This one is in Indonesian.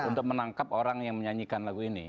untuk menangkap orang yang menyanyikan lagu ini